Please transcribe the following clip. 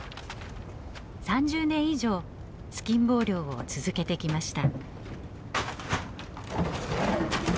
３０年以上突きん棒漁を続けてきました。